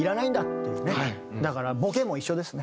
だからボケも一緒ですね。